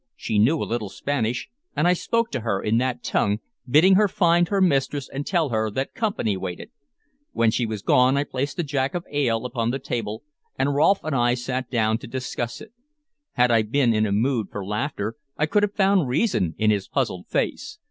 She knew a little Spanish, and I spoke to her in that tongue, bidding her find her mistress and tell her that company waited. When she was gone I placed a jack of ale upon the table, and Rolfe and I sat down to discuss it. Had I been in a mood for laughter, I could have found reason in his puzzled face.